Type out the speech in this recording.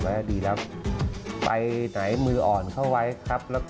แล้วพี่ต้ามอายุ๕๙แล้วนะ